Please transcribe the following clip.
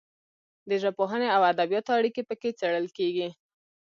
د ژبپوهنې او ادبیاتو اړیکې پکې څیړل کیږي.